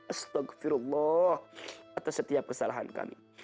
astagfirullah atas setiap kesalahan kami